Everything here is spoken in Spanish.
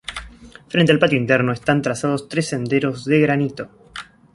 Frente al patio interno, están trazados tres senderos de granito.